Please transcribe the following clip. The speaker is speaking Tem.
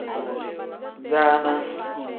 Zaana.